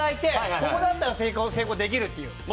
ここだったら成功できるっていう。